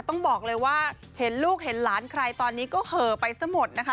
ต้องบอกเลยว่าเห็นลูกเห็นหลานใครตอนนี้ก็เหอะไปซะหมดนะคะ